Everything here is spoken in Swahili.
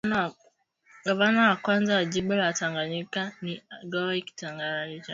Gavana wa kwanza wa jimbo la tanganyika ni Ngoy kitangala richard